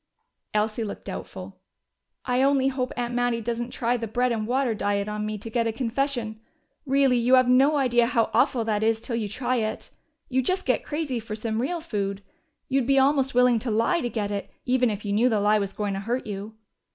Elsie looked doubtful. "I only hope Aunt Mattie doesn't try the bread and water diet on me, to get a confession. Really, you have no idea how awful that is till you try it. You just get crazy for some real food. You'd be almost willing to lie to get it, even if you knew the lie was going to hurt you."